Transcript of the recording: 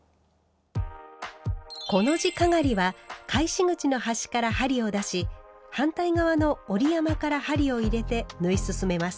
コの字かがりは返し口の端から針を出し反対側の折り山から針を入れて縫い進めます。